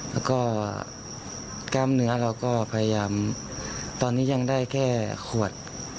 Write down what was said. แล้วก็กล้ามเนื้อเราก็พยายามตอนนี้ยังได้แค่ขวด